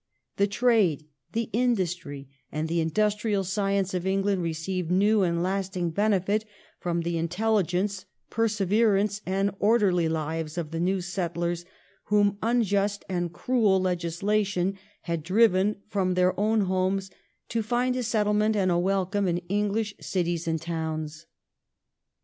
The trade, the industry, and the industrial science of England received new and lasting benefit from the intelligence, perseverance, and orderly lives of the new settlers, whom unjust and cruel legislation had driven from their own homes to find a settlement and a welcome in English cities and towns.